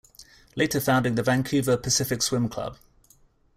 Later founding the Vancouver Pacific Swim Club.